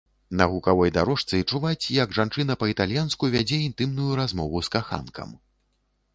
На гукавой дарожцы чуваць, як жанчына па-італьянску вядзе інтымную размову з каханкам.